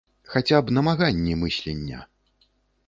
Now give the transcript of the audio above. Хаця б намаганні мыслення.